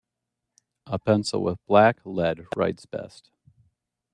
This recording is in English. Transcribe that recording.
A pencil with black lead writes best.